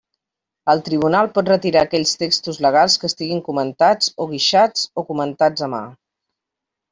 El tribunal pot retirar aquells textos legals que estiguin comentats o guixats o comentats a mà.